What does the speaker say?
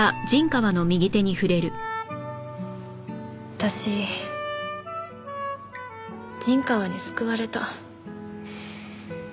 私陣川に救われた。